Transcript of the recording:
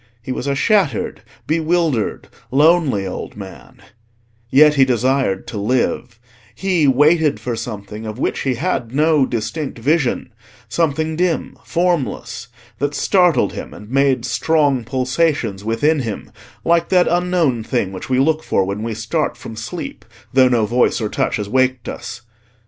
He was a shattered, bewildered, lonely old man; yet he desired to live: he waited for something of which he had no distinct vision—something dim, formless—that startled him, and made strong pulsations within him, like that unknown thing which we look for when we start from sleep, though no voice or touch has waked us.